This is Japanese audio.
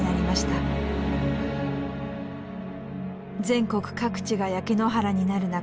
全国各地が焼け野原になる中